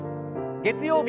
月曜日